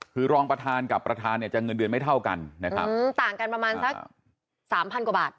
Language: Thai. คือรองประธานกับประธานเนี่ยจะเงินเดือนไม่เท่ากันนะครับต่างกันประมาณสักสามพันกว่าบาท